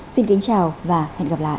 xin kính chào và hẹn gặp lại